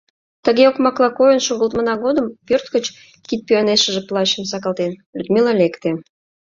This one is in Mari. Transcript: Тыге окмакла койын шогылтмына годым пӧрт гыч, кидпӱанешыже плащым сакалтен, Людмила лекте.